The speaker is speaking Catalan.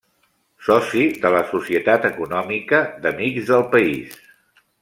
Soci de la Societat Econòmica d'Amics del País.